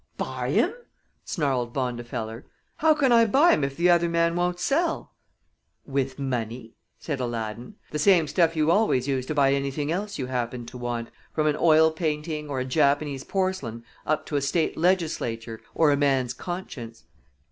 "Buy 'em?" snarled Bondifeller. "How can I buy 'em if the other man won't sell?" "With money," said Aladdin; "the same stuff you always use to buy anything else you happen to want, from an oil painting or a Japanese porcelain up to a State legislature or a man's conscience."